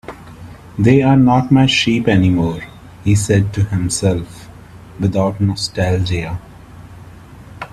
"They're not my sheep anymore," he said to himself, without nostalgia.